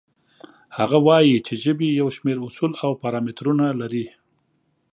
هغه وایي چې ژبې یو شمېر اصول او پارامترونه لري.